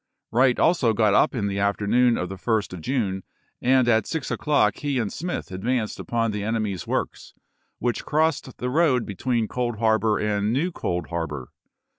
Wright also got up in the afternoon of the 1st of June, and at six o'clock he and Smith advanced upon the enemy's works, which crossed the road between Cold Harbor and New Cold Harbor.